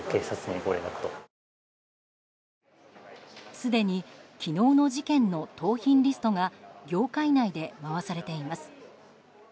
すでに昨日の事件の盗品リストが業界内で回されています。